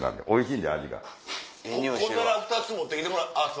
おいしい